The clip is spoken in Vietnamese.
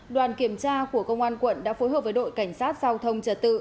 đoàn kiểm tra của công an quận đã phối hợp với đội cảnh sát giao thông trật tự